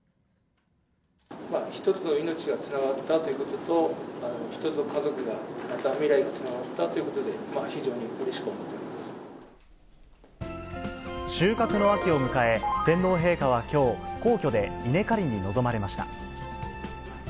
一つの命がつながったということと、一つの家族が、また未来がつながったということで、収穫の秋を迎え、天皇陛下はきょう、皇居で稲刈りに臨まれました。